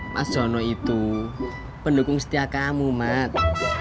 mas jono itu pendukung setia kamu mat